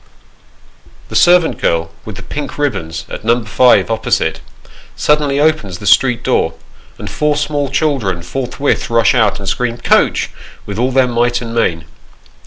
The servant girl, with the pink ribbons, at No. 5, opposite, suddenly opens the street door, and four small children forthwith rush out, and scream " Coach !" with all their might and main.